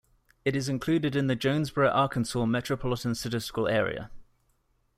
It is included in the Jonesboro, Arkansas Metropolitan Statistical Area.